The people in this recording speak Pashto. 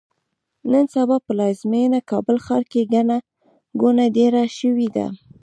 نن سبا پلازمېینه کابل ښار کې ګڼه ګوڼه ډېره شوې ده.